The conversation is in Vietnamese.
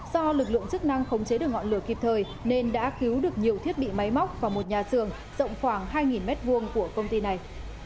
do lực lượng chức năng khống chế được ngọn lửa kịp thời nên đã cứu được nhiều thiết bị máy móc và một nhà xưởng rộng khoảng hai m hai của công ty này